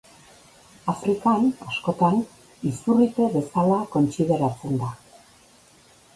Afrikan, askotan, izurrite bezala kontsideratzen da.